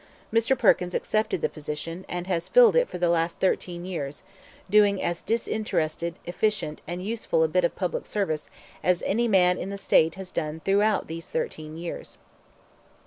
Mr. Perkins accepted the position, and has filled it for the last thirteen years, doing as disinterested, efficient, and useful a bit of public service as any man in the State has done throughout these thirteen years.